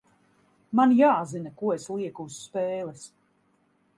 Man jāzina, ko es lieku uz spēles.